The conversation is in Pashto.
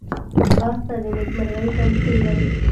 ځغاسته د نېکمرغۍ تمثیل دی